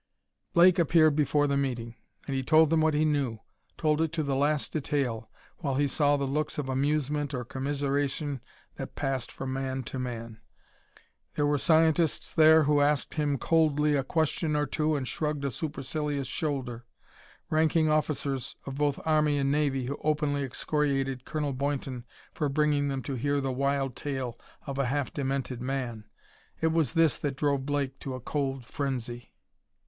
Blake appeared before the meeting, and he told them what he knew told it to the last detail, while he saw the looks of amusement or commiseration that passed from man to man. There were scientists there who asked him coldly a question or two and shrugged a supercilious shoulder; ranking officers of both army and navy who openly excoriated Colonel Boynton for bringing them to hear the wild tale of a half demented man. It was this that drove Blake to a cold frenzy.